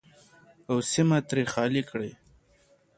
او سیمه ترې خالي کړي.